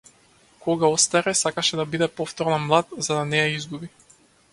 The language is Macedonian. Кога остаре, сакаше да биде повторно млад за да не ја изгуби.